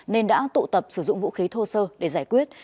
nên đã tụ tập sử dụng vũ khí thô sơ để giải quyết